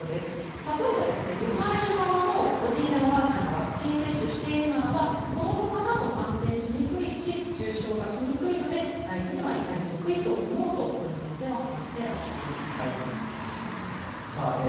例えば、迎える側のおじいちゃん、おばあちゃんがワクチン接種しているならば子供からも感染しにくいし重症化しにくいので大事には至りにくいと思うと堀先生はおっしゃっています。